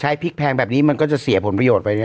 พริกแพงแบบนี้มันก็จะเสียผลประโยชน์ไปเรื